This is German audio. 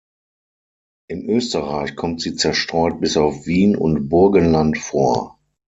In Österreich kommt sie zerstreut bis auf Wien und Burgenland vor.